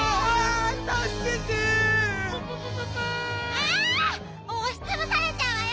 あっおしつぶされちゃうわよ！